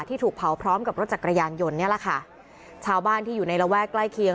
ถูกเผาพร้อมกับรถจักรยานยนต์เนี่ยแหละค่ะชาวบ้านที่อยู่ในระแวกใกล้เคียง